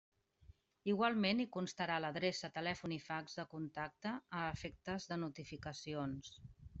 Igualment, hi constarà l'adreça, telèfon i fax de contacte a efectes de notificacions.